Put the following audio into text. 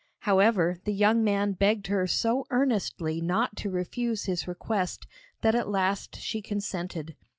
However, the young man begged her so earnestly not to refuse his request that at last she consented.